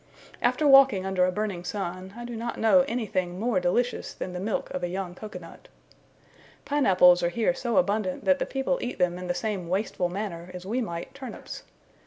After walking under a burning sun, I do not know anything more delicious than the milk of a young cocoa nut. Pine apples are here so abundant that the people eat them in the same wasteful manner as we might turnips.